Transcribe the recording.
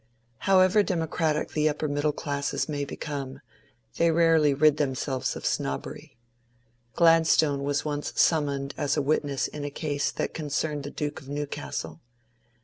However democratic the upper middle classes may become, they rarely rid themselves of snobbery. Gladstone was once summoned as a witness in a case that concerned the Duke of Newcastle.